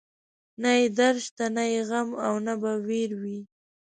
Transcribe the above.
نه يې درد شته، نه يې غم او نه به وير وي